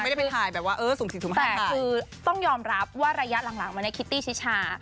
ไม่ได้ไปถ่ายแบบว่าเออสูงสิทธิ์ถึงห้างหลายแต่คือต้องยอมรับว่าระยะหลังมาในคิตตี้ชิชา